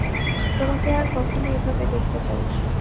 তোমাকে আর কখনো এভাবে দেখতে চাই না।